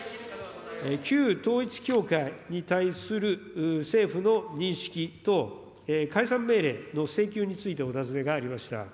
旧統一教会に対する政府の認識と解散命令の請求についてお尋ねがありました。